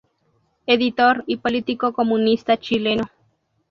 Editor y político comunista chileno.